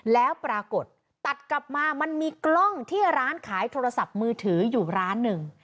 แล้วปรากฏตัดกลับมามันมีกล้องที่ร้านขายโทรศัพท์มือถืออยู่ร้านหนึ่ง